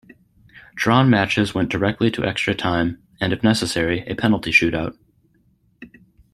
Drawn matches went directly to extra time, and if necessary, a penalty shootout.